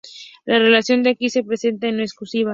La relación que aquí se presenta no es exhaustiva.